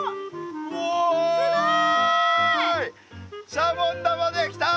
シャボン玉できた！